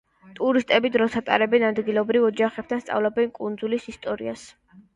ტურისტები დროს ატარებენ ადგილობრივ ოჯახებთან, სწავლობენ კუნძულის ისტორიას.